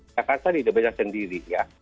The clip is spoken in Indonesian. jakarta tidak bekerja sendiri ya